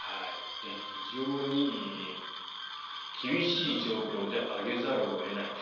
非常に厳しい状況で上げざるを得ない。